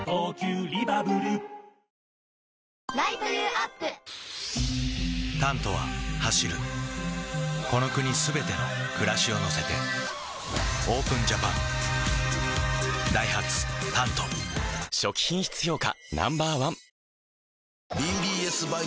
Ｎｏ．１「タント」は走るこの国すべての暮らしを乗せてＯＰＥＮＪＡＰＡＮダイハツ「タント」初期品質評価